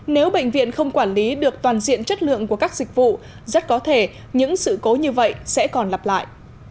nếu bệnh viện không quản lý được toàn diện chất lượng của các dịch vụ rất có thể những sự cố như vậy sẽ còn lặp lại